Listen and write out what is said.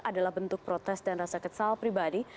adalah bentuk protes dan rasa kesal pribadi